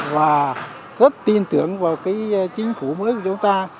và rất tin tưởng vào cái chính phủ mới của chúng ta